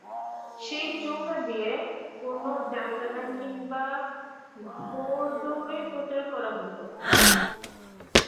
সেই চোঙ্গা দিয়ে কোনো যাত্রাগান কিংবা ঘোড় দৌড়ের প্রচার করা হতো।